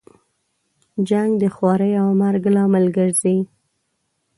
جنګ د خوارۍ او مرګ لامل ګرځي.